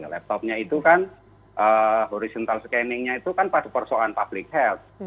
laptopnya itu kan horizontal scanningnya itu kan pada persoalan public health